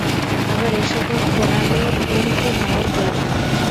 আবার এ-সকল প্রণালীও বহুমুখী হওয়া প্রয়োজন।